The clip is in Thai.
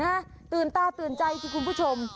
ตื่นตาตื่นใจสิคุณผู้ชม